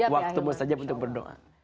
waktu mustajab untuk berdoa